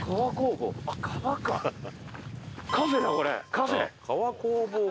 カフェ。